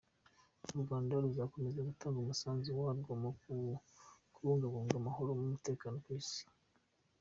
U Rwanda ruzakomeza gutanga umusanzu warwo mu kubungabunga amahoro n’umutekano ku isi.